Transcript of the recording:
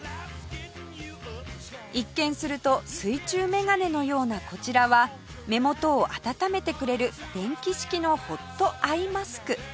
一見すると水中眼鏡のようなこちらは目元を温めてくれる電気式のホットアイマスク